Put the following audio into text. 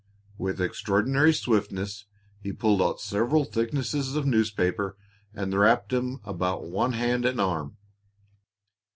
With extraordinary swiftness he pulled out several thicknesses of newspaper and wrapped them about one hand and arm.